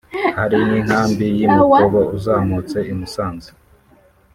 Hari nk inkambi y’i Mutobo uzamutse i Musanze